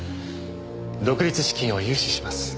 独立資金を融資します。